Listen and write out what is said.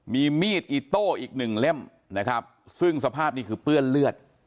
มีมีดอิโต้อีกหนึ่งเล่มนะครับซึ่งสภาพนี้คือเปื้อนเลือด